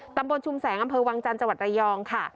ตำบลชุมแสงอำเภอวังจันทร์จังหวัดระยองค่ะ